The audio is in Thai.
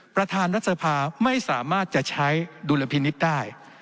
ประธานรัฐสภาไม่สามารถจะใช้ดุลพินิษฐ์ได้